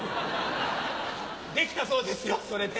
できたそうですよそれで。